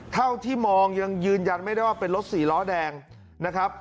เท่าที่มองยังยืนยันไม่ได้ว่าเป็นรถสี่ล้อแดงนะครับ